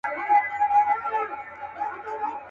نه پر مځکه چا ته گوري نه اسمان ته.